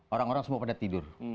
orang orang semua pada tidur